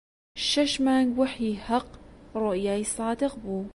شەش مانگ وەحی حەق ڕوئیای سادق بوو